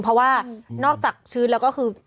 เพราะว่านอกจากชื้นแล้วก็คือ